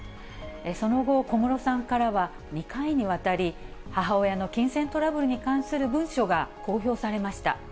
その後、小室さんからは、２回にわたり、母親の金銭トラブルに関する文書が公表されました。